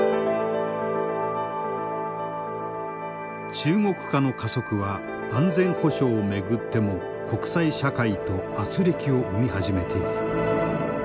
中国化の加速は安全保障を巡っても国際社会と軋轢を生み始めている。